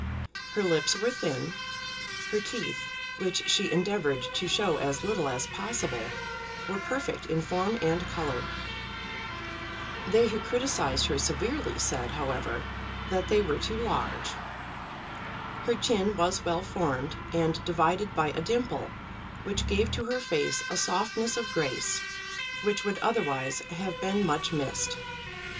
Her lips were thin. Her teeth, which she endeavoured to show as little as possible, were perfect in form and colour. They who criticised her severely said, however, that they were too large. Her chin was well formed, and divided by a dimple which gave to her face a softness of grace which would otherwise have been much missed.